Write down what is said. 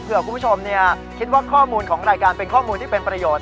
คุณผู้ชมคิดว่าข้อมูลของรายการเป็นข้อมูลที่เป็นประโยชน์